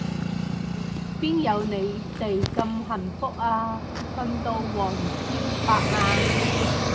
邊有你哋咁幸福啊，瞓到黃朝白晏